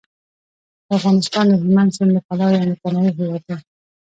افغانستان د هلمند سیند له پلوه یو متنوع هیواد دی.